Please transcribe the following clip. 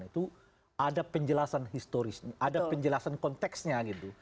itu ada penjelasan historis ada penjelasan konteksnya gitu